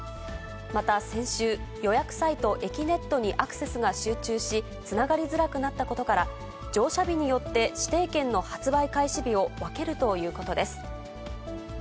また先週、予約サイト、えきねっとにアクセスが集中し、つながりづらくなったことから、乗車日によって指定券の発売開始日を分けるということです。